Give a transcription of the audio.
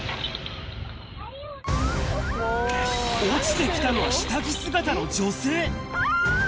落ちてきたのは下着姿の女性。